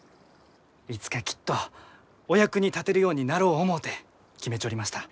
いつかきっとお役に立てるようになろう思うて決めちょりました。